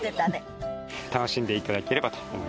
楽しんでいただければと思います。